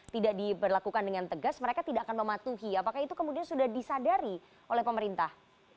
tidak diberlakukan dengan tegas mereka tidak akan mematuhi apakah itu kemudian sudah disadari oleh pemerintah